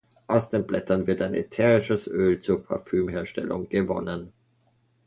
Aus den Blättern wird ein ätherisches Öl zur Parfümherstellung gewonnen.